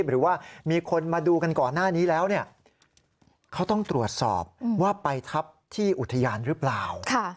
หรือว่ามีคนมาดูกันก่อนหน้านี้แล้วเขาต้องตรวจสอบว่าไปทับที่อุทยานหรือเปล่า